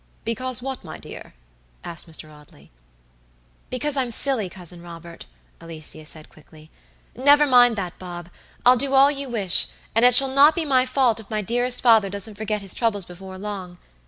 "Because what, my dear?" asked Mr. Audley. "Because I'm silly, Cousin Robert," Alicia said, quickly; "never mind that, Bob, I'll do all you wish, and it shall not be my fault if my dearest father doesn't forget his troubles before long.